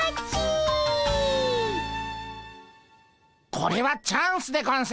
これはチャンスでゴンス。